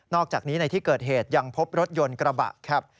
อกจากนี้ในที่เกิดเหตุยังพบรถยนต์กระบะครับ